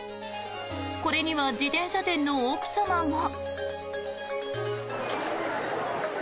これには自転車店の奥様も。